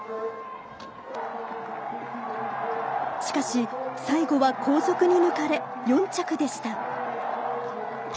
しかし最後は後続に抜かれ４着でした。